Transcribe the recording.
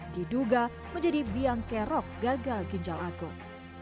diduga menjadi biangkerok gagal ginjal akut